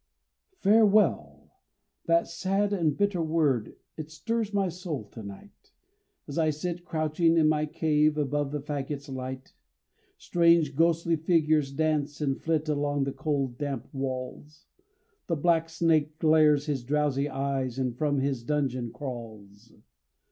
Farewell, that sad and bitter word It stirs my soul to night, As I sit crouching in my cave Above the faggot's light; Strange, ghostly figures dance and flit Along the cold, damp walls; The black snake glares his drowsy eyes, And from his dungeon crawls.